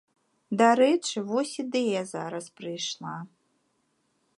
Дарэчы, вось ідэя зараз прыйшла.